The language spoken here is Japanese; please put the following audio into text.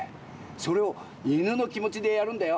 それをいぬのきもちでやるんだよ。